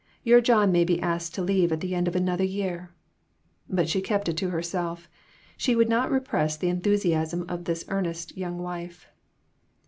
Your John may be asked to leave at the end of another year." But she kept it to her self. She would not repress the enthusiasm of this earnest young wife.